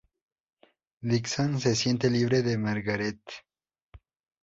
Dixon se siente libre de Margaret.